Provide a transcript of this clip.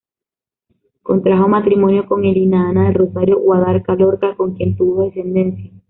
Contrajo matrimonio con Elina Ana del Rosario Guarda Lorca, con quien tuvo descendencia.